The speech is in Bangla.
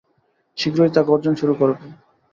শীঘ্রই তা গর্জন শুরু করবে।